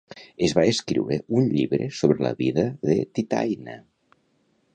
Es va escriure un llibre sobre la vida de Titaÿna?